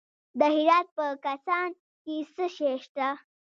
د هرات په کهسان کې څه شی شته؟